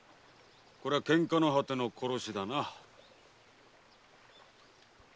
こりゃ喧嘩の果ての殺しだな。